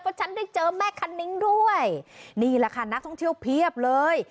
เพราะฉันได้เจอแม่คันนิ้งด้วยนี่แหละค่ะนักท่องเที่ยวเพียบเลย